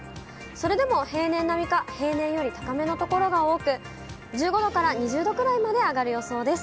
それでも平年並みか、平年より高めの所が多く、１５度から２０度くらいまで上がる予想です。